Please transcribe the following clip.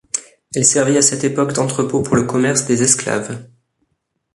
Elle servit à cette époque d'entrepôt pour le commerce des esclaves.